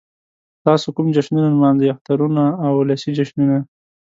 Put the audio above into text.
تاسو کوم جشنونه نمانځئ؟ اخترونه او ولسی جشنونه